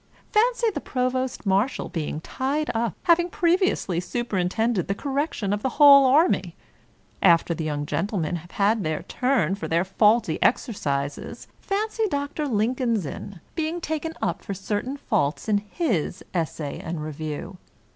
Fancy the provost marshal being tied up, having previously superintended the correction of the whole army. After the young gentlemen have had their turn for the faulty exer cises, fancy Dr. Lincolnsinn being taken up for certain faults in his Essay and Review.